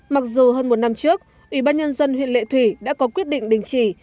mặc dù hơn một năm trước ủy ban nhân dân huyện lệ thủy đã có quyết định đình chỉ